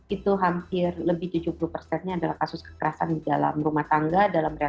itu hampir lebih tujuh puluh persennya adalah kasus kekerasan di dalam rumah tangga